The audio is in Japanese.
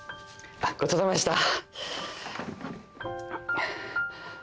ごちそうさまでした。